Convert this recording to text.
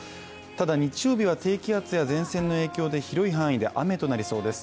ただ日曜日は低気圧や前線の影響で広い範囲で雨となりそうです。